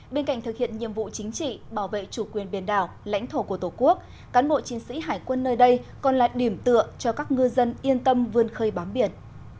bên cạnh thực hiện nhiệm vụ chính trị bảo vệ chủ quyền biển đảo lãnh thổ của tổ quốc cán bộ chiến sĩ hải quân nơi đây còn là điểm tựa cho các ngư dân yên tâm vươn khơi bám biển